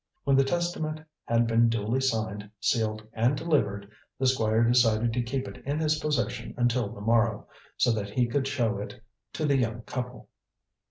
When the testament had been duly signed, sealed and delivered, the Squire decided to keep it in his possession until the morrow, so that he could show it to the young couple.